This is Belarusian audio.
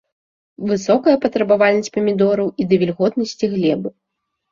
Высокая патрабавальнасць памідораў і да вільготнасці глебы.